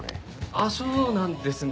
あっそうなんですね。